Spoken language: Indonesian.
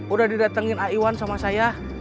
udah didatengin aiwan sama saya